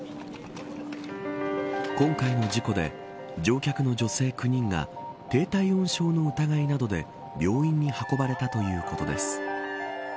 今回の事故で、乗客の女性９人が低体温症の疑いなどで病院に運ばれたということです。